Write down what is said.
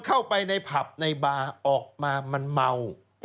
เข้าไปในผับในบาร์ออกมามันเมา